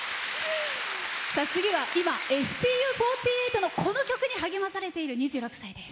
次は今ＳＴＵ４８の、この曲に励まされている２６歳です。